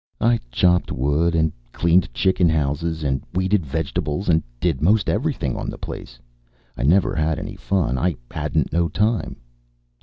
I chopped wood, and cleaned chicken houses, and weeded vegetables, and did most everything on the place. I never had any fun. I hadn't no time.